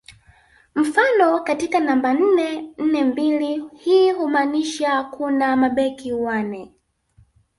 Mfano katika namba nne nne mbili hii humaanisha kuna mabeki wane